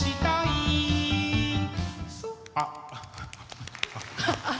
あっ。